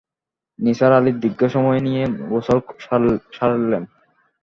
নিসার আলি দীর্ঘ সময় নিয়ে গোসল সারালেন।